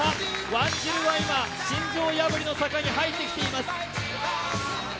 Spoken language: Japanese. ワンジルは今、心臓破りの坂に入ってきています。